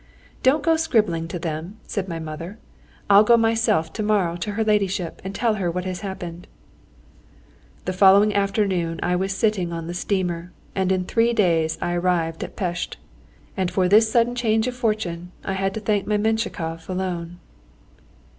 "Don't go scribbling to them," said my mother; "I'll go myself to morrow to her ladyship and tell her what has happened." The following afternoon I was sitting on the steamer, and in three days I arrived at Pest.... And for this sudden change of fortune I had to thank my Menshikov alone.